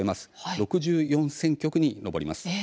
６４選挙区に上ります。